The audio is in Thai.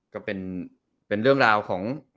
ก็เป็นเรื่องราวของเขาแหละ